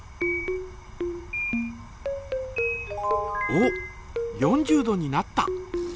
おっ４０度になった。